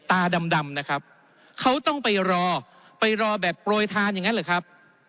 ตาดำนะครับเขาต้องไปรอไปรอแบบโปรยทานอย่างนั้นเหรอครับ